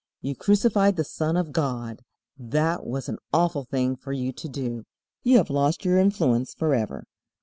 You crucified the Son of God. That was an awful thing for you to do. You have lost your influence forever."